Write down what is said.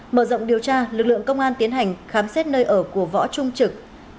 mở rộng điều tra lực lượng công an tiến hành khám xét nơi ở của võ trung trực